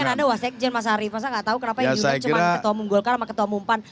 kan ada wasek jen mas arief masa nggak tahu kenapa yang diundang cuma ketua umum golkar sama ketua umum pan